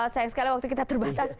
sayang sekali waktu kita terbatas